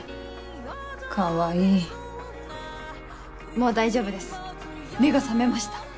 もう大丈夫です目が覚めました。